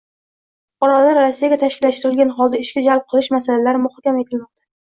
Fuqarolarni Rossiyaga tashkillashtirilgan holda ishga jalb qilish masalalari muhokama etilmoqda